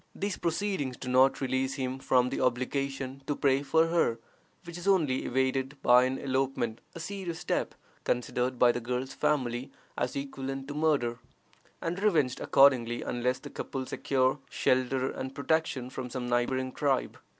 These proceedings do not release him from the obligation to pay for her, which is only evaded by an elopement, a serious step, considered by the girl's family as equivalent to murder, and revenged accordingly, unless the couple secure shelter and protection from some neighboring tribe.